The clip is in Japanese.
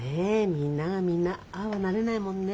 みんながみんなああはなれないもんね。